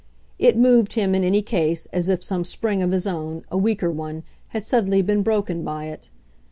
It moved him, in any case, as if some spring of his own, a weaker one, had suddenly been broken by it.